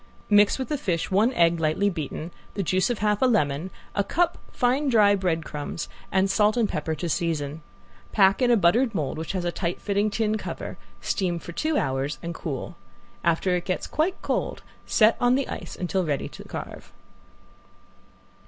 Mix with the fish one egg lightly beaten, the juice of a half lemon, a cup fine dry bread crumbs, and salt and pepper to season. Pack in a buttered mold which has a tight fitting tin cover, steam for two hours, and cool. After it gets quite cold set on the ice until ready to carve.